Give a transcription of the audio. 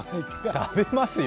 食べますよ。